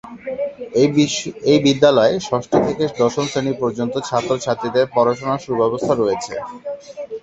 এই বিদ্যালয়ে ষষ্ঠ থেকে দশম শ্রেণী পর্যন্ত ছাত্র-ছাত্রিদের পড়াশোনার সুব্যবস্থা রয়েছে।